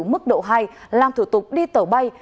mức độ hai làm thủ thuộc đi tàu bay